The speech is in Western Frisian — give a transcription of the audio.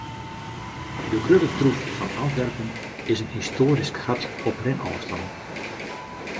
De grutte troef fan Antwerpen is in histoarysk hart op rinôfstân.